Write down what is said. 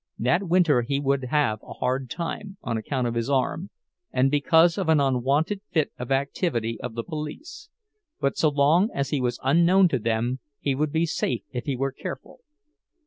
That winter he would have a hard time, on account of his arm, and because of an unwonted fit of activity of the police; but so long as he was unknown to them he would be safe if he were careful.